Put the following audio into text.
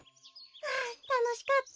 あたのしかった。